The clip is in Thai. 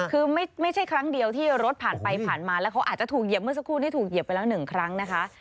คือไม่ใช่ครั้งเดียวที่รถผ่านไปผ่านมาแล้วเขาอาจจะถูกเหยียบเมื่อสักครู่ที่ถูกเหยียบไปแล้วหนึ่งครั้งนะคะ